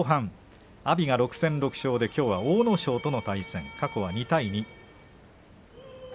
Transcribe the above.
阿炎が６戦６勝できょうは阿武咲との対戦、過去は２対２。